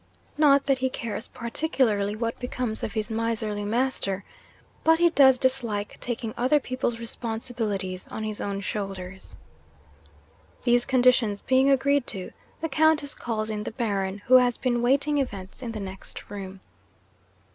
Not that he cares particularly what becomes of his miserly master but he does dislike taking other people's responsibilities on his own shoulders. 'These conditions being agreed to, the Countess calls in the Baron, who has been waiting events in the next room.